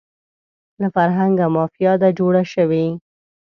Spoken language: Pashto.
له فرهنګه مافیا ده جوړه شوې